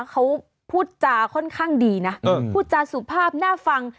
เขาพูดจาค่อนข้างดีนะพูดจาสุภาพน่าฟัง